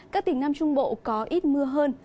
các tỉnh nam trung bộ có ít mưa hơn